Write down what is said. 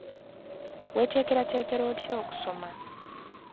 Weeteekerateekera otya okusoma?